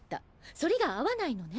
ソリが合わないのね。